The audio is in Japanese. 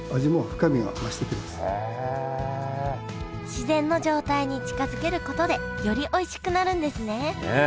自然の状態に近づけることでよりおいしくなるんですねねっ！